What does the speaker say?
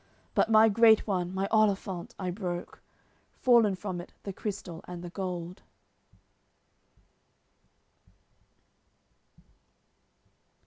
But my great one, my olifant I broke; Fallen from it the crystal and the gold."